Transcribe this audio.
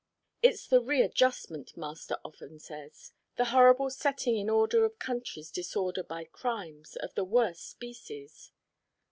It's the readjustment master often says the horrible setting in order of countries disordered by crimes of the worst species.